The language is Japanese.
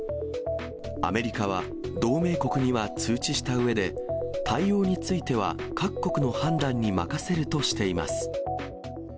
アメリカは同盟国には通知したうえで、対応については各国の判断に任せるとしています。